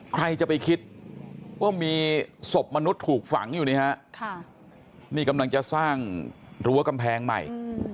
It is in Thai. ใครจะไปคิดว่ามีศพมนุษย์ถูกฝังอยู่นี่ฮะนี่กำลังจะสร้างรั้วกำแพงใหม่